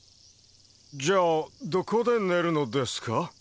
じゃあどこで寝るのですか？